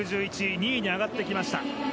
２位に上がってきました。